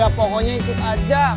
udah pokoknya ikut aja